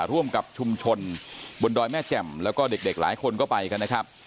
ร่วมกับชุมชนบนดอยแม่แจ่มแล้วก็เด็กหลายคนก็ไปกันนะครับ